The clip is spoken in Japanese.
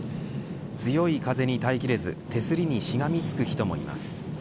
強い風に耐え切れず手すりにしがみつく人もいます。